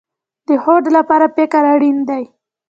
د هوډ لپاره فکر اړین دی